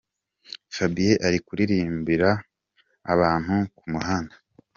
Fabien ari kuririmbira abantu ku muhanda.